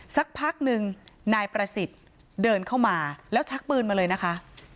สักพักหนึ่งนายประสิทธิ์เดินเข้ามาแล้วชักปืนมาเลยนะคะ